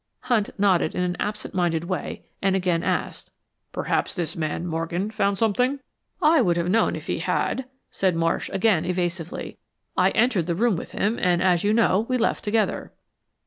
Hunt nodded in an absent minded way and again asked, "Perhaps this man Morgan found something?" "I would have known if he had," said Marsh, again evasively. "I entered the room with him, and as you know, we left together."